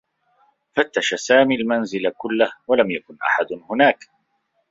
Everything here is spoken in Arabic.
فتّش سامي المنزل كلّه و لم يكن أحد هناك.